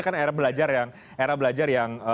kan era belajar yang